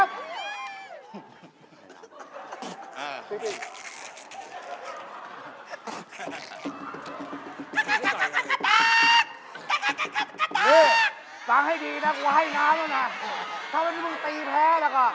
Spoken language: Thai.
นี่ฟังให้ดีนะกูว่าให้น้ำด้วยนะถ้าไปนี่มึงตีแพ้ละก่อน